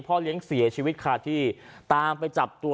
เลี้ยงเสียชีวิตค่ะที่ตามไปจับตัว